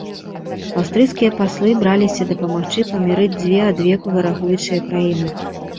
Аўстрыйскія паслы браліся дапамагчы памірыць дзве адвеку варагуючыя краіны.